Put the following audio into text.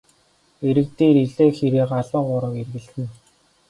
Эрэг дээр элээ хэрээ галуу гурав эргэлдэнэ.